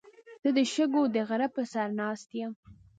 زه د شګو د غره په سر ناست یم.